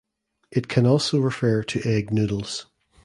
It can also refer to egg noodles.